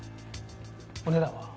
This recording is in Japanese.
お値段は？